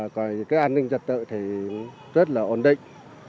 còn cái an ninh trật tự thì rất là ổn định